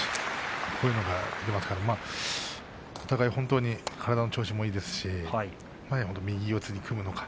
お互い、本当に体の調子もいいですし右四つに組むのか